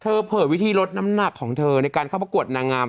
เผยวิธีลดน้ำหนักของเธอในการเข้าประกวดนางงาม